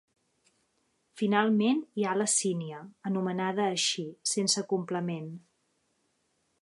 Finalment, hi ha la Sínia, anomenada així, sense complement.